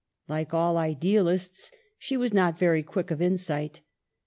Like all idealists, she was not very quick of insight.